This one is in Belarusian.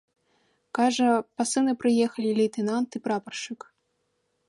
Кажа, па сына прыехалі лейтэнант і прапаршчык.